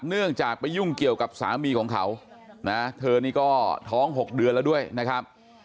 เนื่องจากไปยุ่งเกี่ยวกับสามีของเขานะเธอนี่ก็ท้อง๖เดือนแล้วด้วยนะครับ